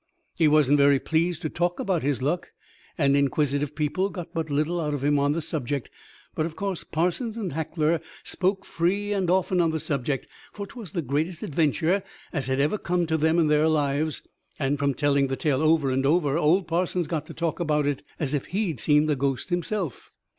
III He wasn't very pleased to talk about his luck, and inquisitive people got but little out of him on the subject; but, of course, Parsons and Hacker spoke free and often on the subject, for 'twas the greatest adventure as had ever come to them in their lives; and, from telling the tale over and over old Parsons got to talk about it as if he'd seen the ghost himself.